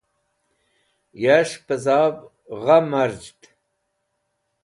Yash pẽ z̃av gha marzhd.